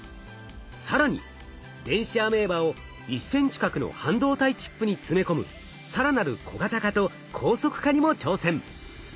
更に電子アメーバを１センチ角の半導体チップに詰め込むさらなる小型化と高速化にも挑戦。